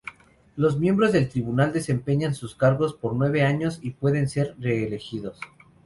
Los miembros del Tribunal desempeñan sus cargos por nueve años y pueden ser reelegidos.